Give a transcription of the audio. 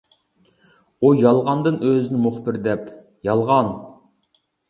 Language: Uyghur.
ئۇ يالغاندىن ئۆزىنى مۇخبىر دەپ، يالغان.